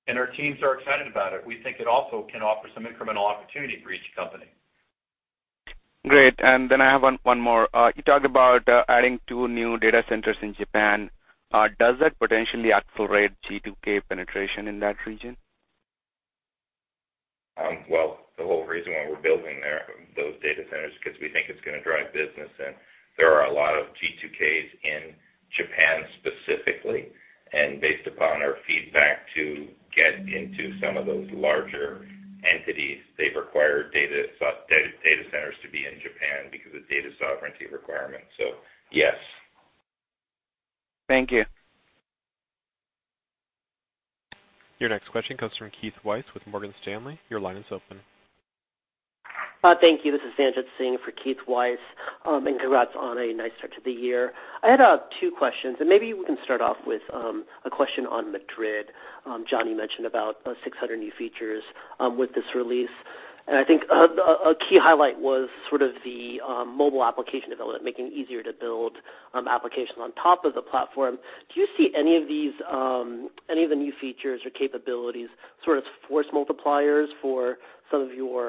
Speaker 3: and our teams are excited about it. We think it also can offer some incremental opportunity for each company.
Speaker 10: Great. I have one more. You talked about adding two new data centers in Japan. Does that potentially accelerate G2K penetration in that region?
Speaker 2: Well, the whole reason why we're building those data centers is because we think it's going to drive business, and there are a lot of G2Ks in Japan specifically, and based upon our feedback to get into some of those larger entities, they've required data centers to be in Japan because of data sovereignty requirements. Yes.
Speaker 10: Thank you.
Speaker 1: Your next question comes from Keith Weiss with Morgan Stanley. Your line is open.
Speaker 11: Thank you. This is Sanjit Singh for Keith Weiss. Congrats on a nice start to the year. I had two questions. Maybe we can start off with a question on Madrid. John mentioned about 600 new features with this release. I think a key highlight was sort of the mobile application development, making it easier to build applications on top of the platform. Do you see any of the new features or capabilities sort of force multipliers for some of your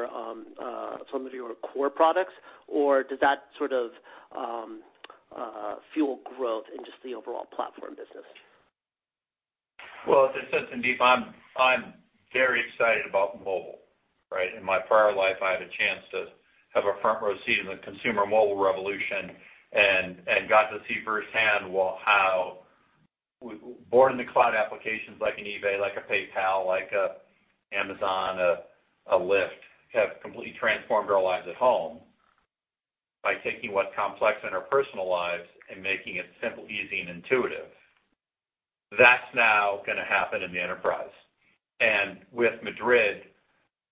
Speaker 11: core products, or does that sort of fuel growth in just the overall platform business?
Speaker 3: Well, as I said, Sanjit, I'm very excited about mobile. In my prior life, I had a chance to have a front-row seat in the consumer mobile revolution and got to see firsthand how born-in-the-cloud applications like an eBay, like a PayPal, like a Amazon, a Lyft, have completely transformed our lives at home by taking what's complex in our personal lives and making it simple, easy, and intuitive. That's now going to happen in the enterprise. With Madrid,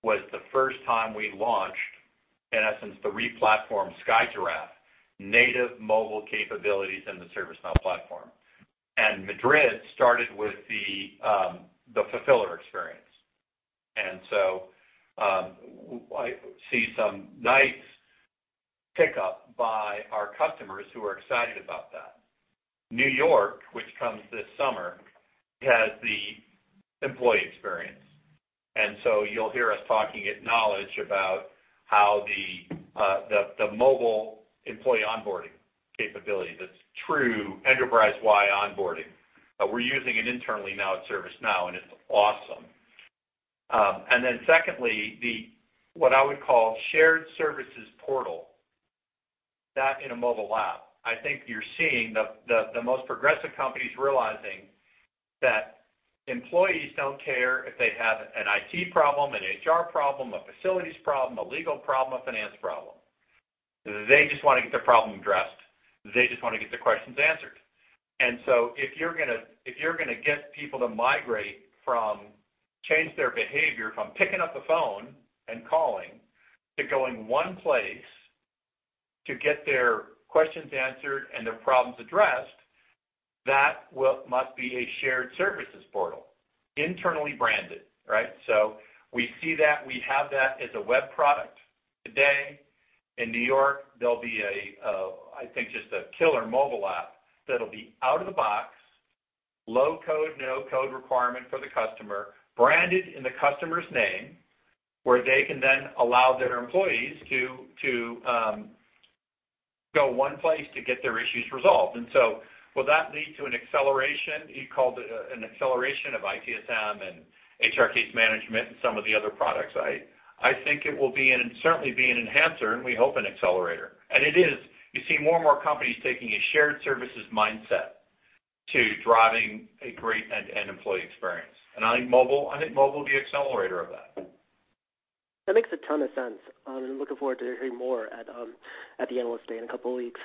Speaker 3: was the first time we launched, in essence, the replatformed SkyGiraffe native mobile capabilities in the ServiceNow platform. Madrid started with the fulfiller experience. I see some nice pickup by our customers who are excited about that. New York, which comes this summer, has the employee experience. You'll hear us talking at Knowledge about how the mobile employee onboarding capability that's true enterprise-wide onboarding. We're using it internally now at ServiceNow, and it's awesome. Secondly, what I would call shared services portal, that in a mobile app. I think you're seeing the most progressive companies realizing that employees don't care if they have an IT problem, an HR problem, a facilities problem, a legal problem, a finance problem. They just want to get their problem addressed. They just want to get their questions answered. If you're going to get people to migrate from, change their behavior from picking up the phone and calling to going one place to get their questions answered and their problems addressed, that must be a shared services portal, internally branded. We see that, we have that as a web product today. In New York, there'll be, I think, just a killer mobile app that'll be out of the box, low code, no code requirement for the customer, branded in the customer's name, where they can then allow their employees to go one place to get their issues resolved. Will that lead to an acceleration? You called it an acceleration of ITSM and HR case management and some of the other products. I think it will certainly be an enhancer, and we hope an accelerator. It is. You see more and more companies taking a shared services mindset to driving a great end-to-end employee experience. I think mobile will be the accelerator of that.
Speaker 11: That makes a ton of sense. I'm looking forward to hearing more at the Analyst Day in a couple of weeks.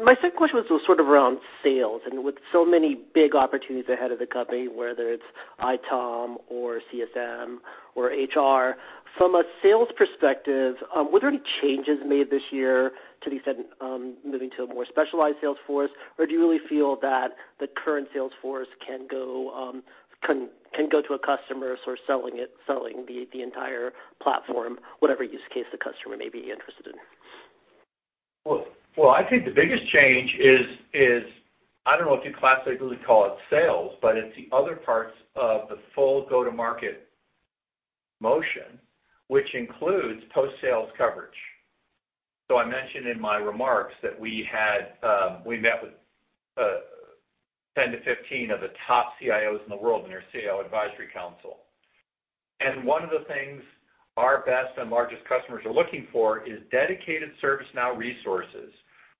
Speaker 11: My second question was sort of around sales. With so many big opportunities ahead of the company, whether it's ITOM or CSM or HR. From a sales perspective, were there any changes made this year to, you said, moving to a more specialized sales force, or do you really feel that the current sales force can go to a customer sort of selling the entire platform, whatever use case the customer may be interested in?
Speaker 3: Well, I think the biggest change is, I don't know if you classically call it sales, but it's the other parts of the full go-to-market motion, which includes post-sales coverage. I mentioned in my remarks that we met with 10-15 of the top CIOs in the world in our CIO Advisory Council. One of the things our best and largest customers are looking for is dedicated ServiceNow resources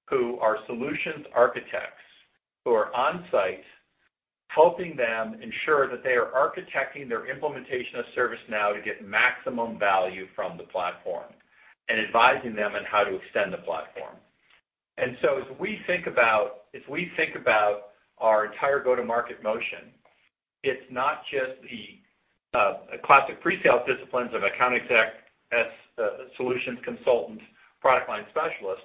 Speaker 3: who are solutions architects, who are on-site helping them ensure that they are architecting their implementation of ServiceNow to get maximum value from the platform and advising them on how to extend the platform. As we think about our entire go-to-market motion, it's not just the classic pre-sales disciplines of account exec, solutions consultant, product line specialist,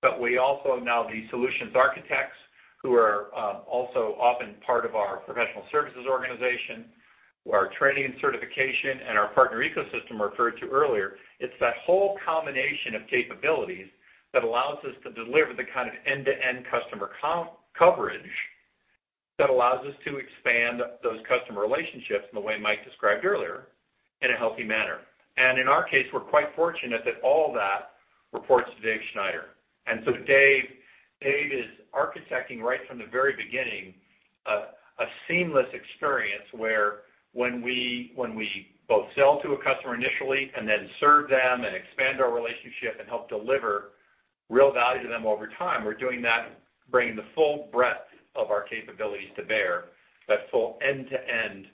Speaker 3: but we also now have the solutions architects who are also often part of our professional services organization, who are training and certification, and our partner ecosystem I referred to earlier. It's that whole combination of capabilities that allows us to deliver the kind of end-to-end customer coverage that allows us to expand those customer relationships in the way Mike described earlier in a healthy manner. In our case, we're quite fortunate that all that reports to David Schneider. Dave is architecting right from the very beginning, a seamless experience where when we both sell to a customer initially and then serve them and expand our relationship and help deliver real value to them over time, we're doing that, bringing the full breadth of our capabilities to bear that full end-to-end,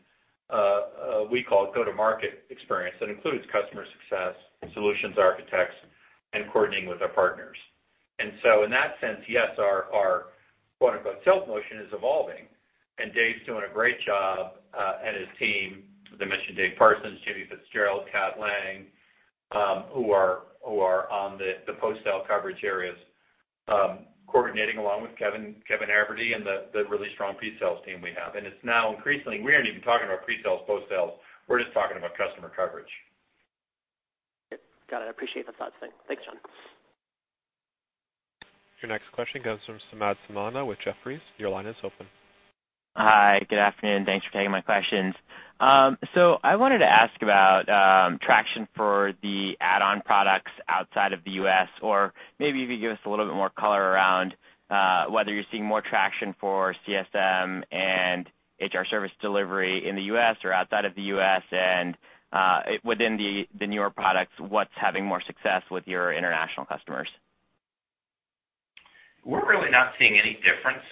Speaker 3: we call it go-to-market experience. That includes customer success, solutions architects, and coordinating with our partners. In that sense, yes, our quote-unquote "sales motion" is evolving, and Dave's doing a great job, and his team. Did I mention David Parsons, Jimmy Fitzgerald, Cat Lang, who are on the post-sale coverage areas, coordinating along with Kevin Haverty and the really strong pre-sales team we have. It's now increasingly, we aren't even talking about pre-sales, post-sales. We're just talking about customer coverage.
Speaker 11: Got it. Appreciate the thoughts. Thanks, John.
Speaker 1: Your next question comes from Samad Samana with Jefferies. Your line is open.
Speaker 12: Hi. Good afternoon. Thanks for taking my questions. I wanted to ask about traction for the add-on products outside of the U.S., or maybe if you could give us a little bit more color around whether you're seeing more traction for CSM and HR Service Delivery in the U.S. or outside of the U.S., and within the newer products, what's having more success with your international customers?
Speaker 2: We're really not seeing any difference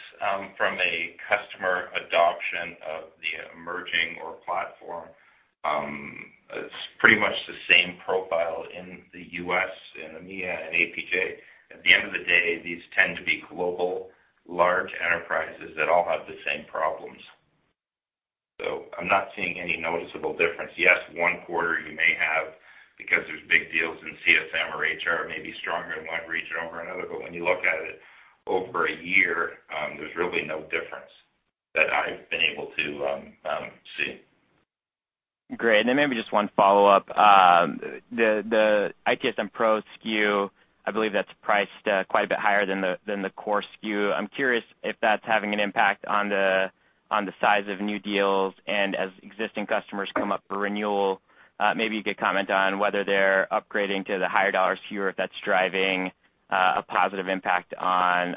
Speaker 2: from a customer adoption of the emerging or platform. It's pretty much the same profile in the U.S. and EMEA and APJ. At the end of the day, these tend to be global, large enterprises that all have the same problems. I'm not seeing any noticeable difference. Yes, one quarter you may have, because there's big deals in CSM or HR, may be stronger in one region over another, but when you look at it over a year, there's really no difference that I've been able to see.
Speaker 12: Great. Maybe just one follow-up. The ITSM Pro SKU, I believe that's priced quite a bit higher than the core SKU. I'm curious if that's having an impact on the size of new deals and as existing customers come up for renewal, maybe you could comment on whether they're upgrading to the higher dollar SKU, or if that's driving a positive impact on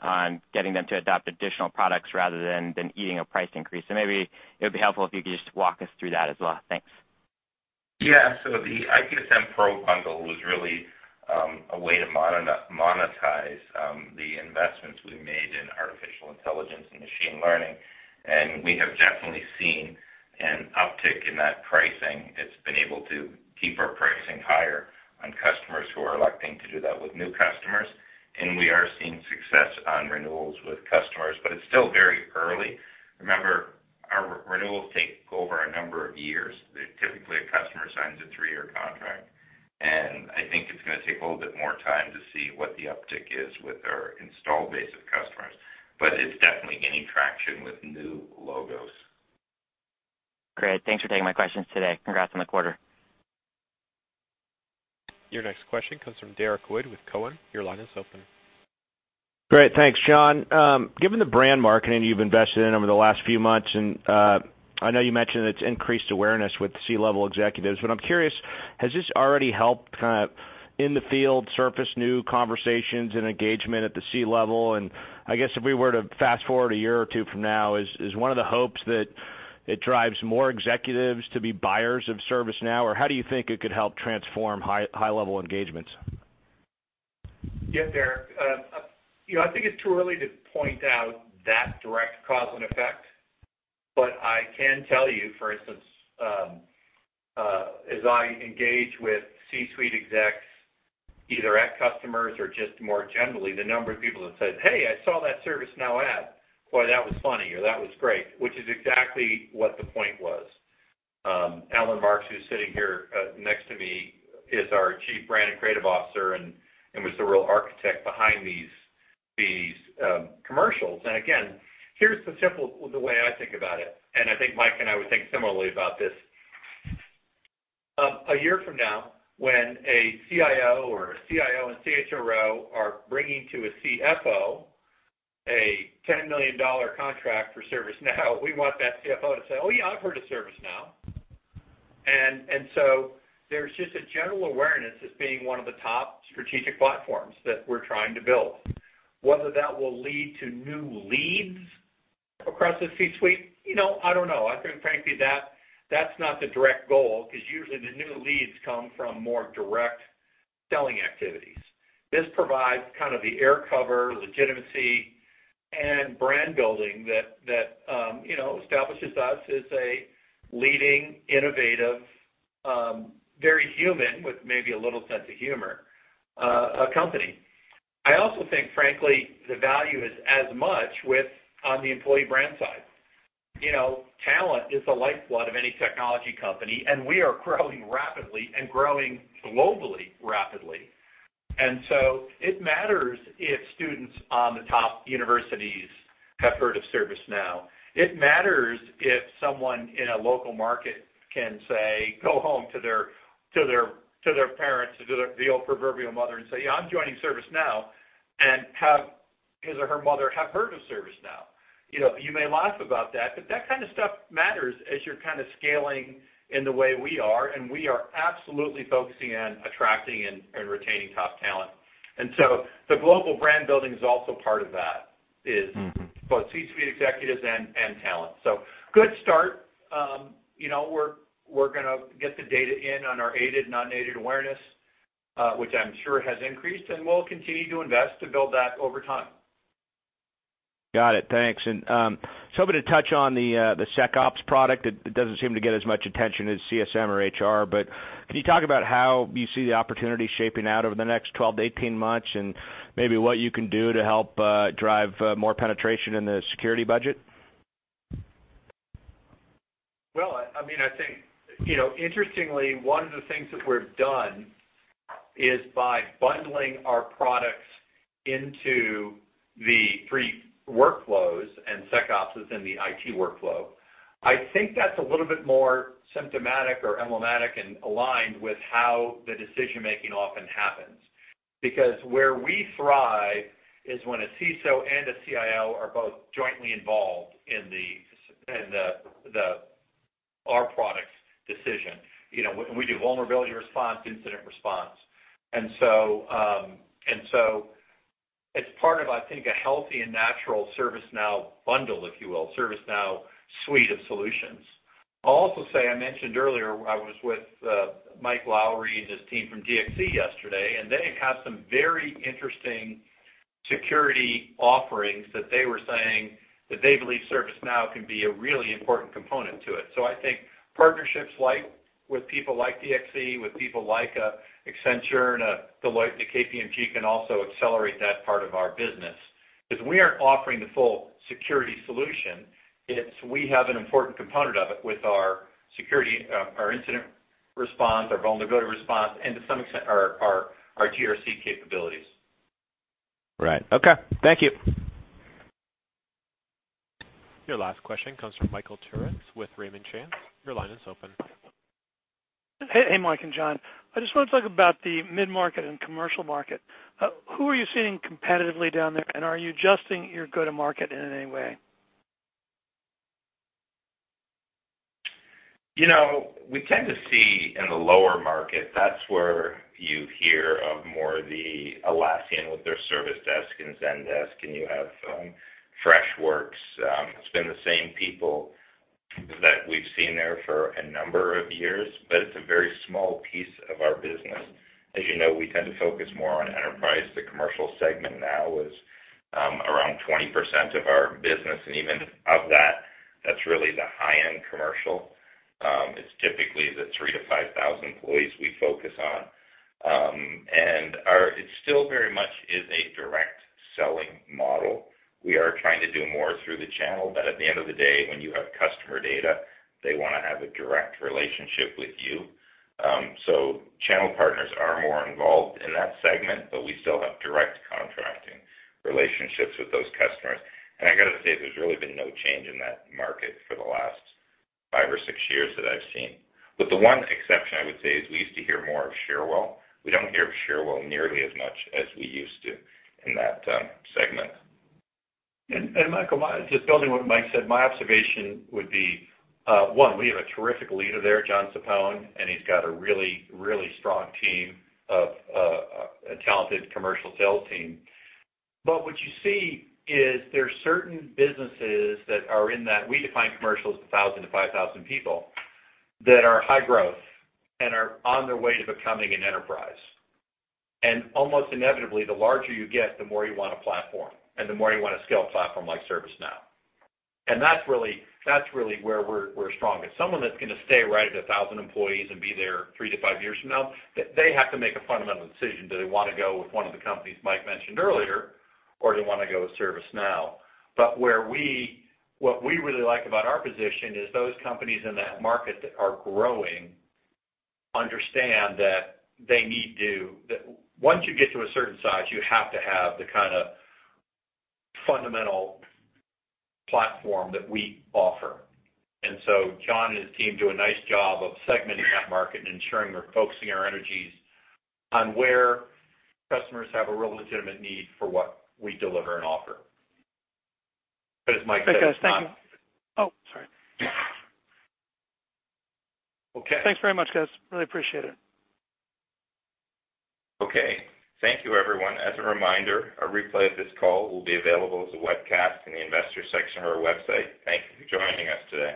Speaker 12: getting them to adopt additional products rather than eating a price increase. Maybe it would be helpful if you could just walk us through that as well. Thanks.
Speaker 2: The ITSM Pro bundle was really a way to monetize the investments we made in artificial intelligence and machine learning, and we have definitely seen an uptick in that pricing. It's been able to keep our pricing higher on customers who are electing to do that with new customers, and we are seeing success on renewals with customers, but it's still very early. Remember, our renewals take over a number of years. Typically, a customer signs a three-year contract, and I think it's going to take a little bit more time to see what the uptick is with our installed base of customers. It's definitely gaining traction with new logos.
Speaker 12: Great. Thanks for taking my questions today. Congrats on the quarter.
Speaker 1: Your next question comes from Derrick Wood with Cowen. Your line is open.
Speaker 13: Great. Thanks. John. Given the brand marketing you've invested in over the last few months, and I know you mentioned it's increased awareness with C-level executives, but I'm curious, has this already helped kind of in the field surface new conversations and engagement at the C-level? I guess if we were to fast-forward a year or two from now, is one of the hopes that it drives more executives to be buyers of ServiceNow? How do you think it could help transform high-level engagements?
Speaker 3: Yeah, Derrick. I think it is too early to point out that direct cause and effect, but I can tell you, for instance, as I engage with C-suite execs, either at customers or just more generally, the number of people that said, "Hey, I saw that ServiceNow ad. Boy, that was funny," or, "That was great," which is exactly what the point was. Alan Marks, who is sitting here next to me, is our Chief Brand and Creative Officer and was the real architect behind these commercials. Again, here's the simple way I think about it, and I think Mike and I would think similarly about this.
Speaker 2: A year from now, when a CIO or a CIO and CHRO are bringing to a CFO a $10 million contract for ServiceNow, we want that CFO to say, "Oh, yeah, I've heard of ServiceNow." There's just a general awareness as being one of the top strategic platforms that we're trying to build. Whether that will lead to new leads across the C-suite, I don't know. I think frankly that's not the direct goal, because usually, the new leads come from more direct selling activities. This provides kind of the air cover, legitimacy, and brand building that establishes us as a leading, innovative, very human, with maybe a little sense of humor, company. I also think, frankly, the value is as much with on the employee brand side. Talent is the lifeblood of any technology company, and we are growing rapidly and growing globally rapidly. It matters if students on the top universities have heard of ServiceNow. It matters if someone in a local market can, say, go home to their parents, to the old proverbial mother, and say, "Yeah, I'm joining ServiceNow," and have his or her mother have heard of ServiceNow. You may laugh about that, but that kind of stuff matters as you're kind of scaling in the way we are, and we are absolutely focusing on attracting and retaining top talent. The global brand building is also part of that, is both C-suite executives and talent. So good start. We're going to get the data in on our aided and unaided awareness, which I'm sure has increased, and we'll continue to invest to build that over time.
Speaker 13: Got it. Thanks. Just hoping to touch on the SecOps product. It doesn't seem to get as much attention as CSM or HR, but can you talk about how you see the opportunity shaping out over the next 12 to 18 months and maybe what you can do to help drive more penetration in the security budget?
Speaker 3: Well, I think interestingly, one of the things that we've done is by bundling our products into the three workflows, and SecOps is in the IT workflow. I think that's a little bit more symptomatic or emblematic and aligned with how the decision-making often happens. Where we thrive is when a CISO and a CIO are both jointly involved in our product decision. We do vulnerability response, incident response, and so it's part of, I think, a healthy and natural ServiceNow bundle, if you will, ServiceNow suite of solutions. I'll also say, I mentioned earlier, I was with Mike Lawrie and his team from DXC yesterday, and they have some very interesting security offerings that they were saying that they believe ServiceNow can be a really important component to it. I think partnerships with people like DXC, with people like Accenture and Deloitte, and KPMG can also accelerate that part of our business. We aren't offering the full security solution. We have an important component of it with our security, our incident response, our vulnerability response, and to some extent, our GRC capabilities.
Speaker 13: Right. Okay. Thank you.
Speaker 1: Your last question comes from Michael Turits with Raymond James. Your line is open.
Speaker 14: Hey, Mike and John. I just want to talk about the mid-market and commercial market. Who are you seeing competitively down there, and are you adjusting your go to market in any way?
Speaker 2: We tend to see in the lower market, that's where you hear of more the Atlassian with their service desk and Zendesk, and you have Freshworks. It's been the same people that we've seen there for a number of years, but it's a very small piece of our business. As you know, we tend to focus more on enterprise. The commercial segment now is around 20% of our business, and even of that's really the high-end commercial. It's typically the 3,000 to 5,000 employees we focus on. It still very much is a direct selling model. We are trying to do more through the channel, but at the end of the day, when you have customer data, they want to have a direct relationship with you. Channel partners are more involved in that segment, but we still have direct contracting relationships with those customers. I got to say, there's really been no change in that market for the last five or six years that I've seen. With the one exception, I would say, is we used to hear more of Cherwell. We don't hear of Cherwell nearly as much as we used to in that segment.
Speaker 3: Michael, just building what Mike said, my observation would be, one, we have a terrific leader there, John Sapone, and he's got a really, really strong team of a talented commercial sales team. But what you see is there's certain businesses that are in that-- we define commercial as the 1,000 to 5,000 people, that are high growth and are on their way to becoming an enterprise. Almost inevitably, the larger you get, the more you want a platform, and the more you want to scale a platform like ServiceNow. That's really where we're strongest. Someone that's going to stay right at 1,000 employees and be there three to five years from now, they have to make a fundamental decision. Do they want to go with one of the companies Mike mentioned earlier, or do they want to go with ServiceNow? What we really like about our position is those companies in that market that are growing understand that once you get to a certain size, you have to have the kind of fundamental platform that we offer. John and his team do a nice job of segmenting that market and ensuring we're focusing our energies on where customers have a real legitimate need for what we deliver and offer. As Mike said-
Speaker 14: Thanks, guys. Thank you. Oh, sorry.
Speaker 3: Okay.
Speaker 14: Thanks very much, guys. Really appreciate it.
Speaker 2: Okay. Thank you, everyone. As a reminder, a replay of this call will be available as a webcast in the Investors section of our website. Thank you for joining us today.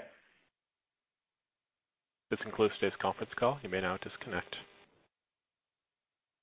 Speaker 1: This concludes today's conference call. You may now disconnect.